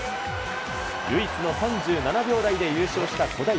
唯一の３７秒台で優勝した小平。